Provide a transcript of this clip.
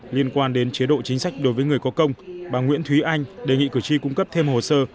liên quan đến chế độ chính sách đối với người có công bà nguyễn thúy anh đề nghị cử tri cung cấp thêm hồ sơ